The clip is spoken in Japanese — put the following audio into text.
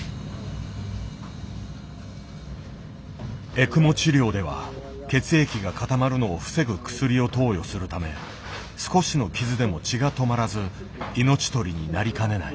エクモ治療では血液が固まるのを防ぐ薬を投与するため少しの傷でも血が止まらず命取りになりかねない。